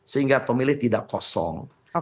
sehingga pemilih tidak kosong